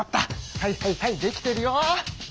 はいはいはいできてるよ。